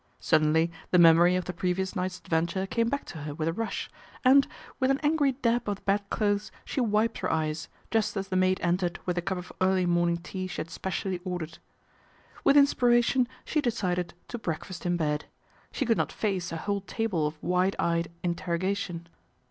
Suddenly the memory of the previous night's adventure came back to her with a rush and, with an angry dab of the bedclothes, she wiped her eyes, just as the maid entered with the cup of early morning tea she had specially ordered. With inspiration she decided to breakfast in bed. She could not face a whole table of wide eyed interrogation.